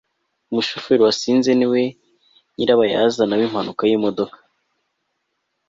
umushoferi wasinze ni we nyirabayazana w'impanuka y'imodoka